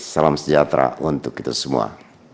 salam sejahtera untuk kita semua